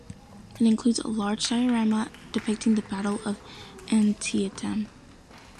It includes a large diorama depicting the Battle of Antietam.